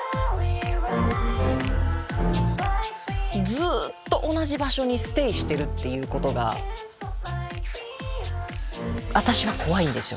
ずっと同じ場所にステイしてるっていうことが私は怖いんですよ